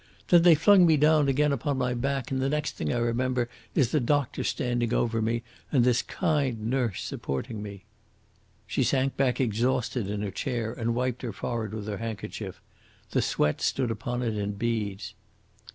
"Then they flung me down again upon my back, and the next thing I remember is the doctor standing over me and this kind nurse supporting me." She sank back exhausted in her chair and wiped her forehead with her handkerchief. The sweat stood upon it in beads.